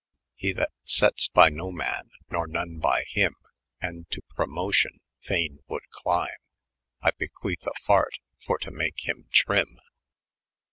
i4S ' He that settes by no maiij nor none by hym. And to promocion fayn wold clym, I bequethe a fart, for to make hym trym.